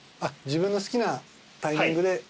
自分の好きなタイミングで。